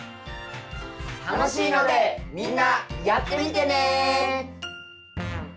楽しいのでみんなやってみてね！